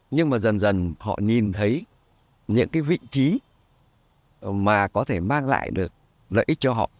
nhưng mà dần dần họ nhìn thấy những cái vị trí mà có thể mang lại được lợi ích cho họ